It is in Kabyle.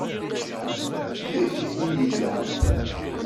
Deg-k i yella.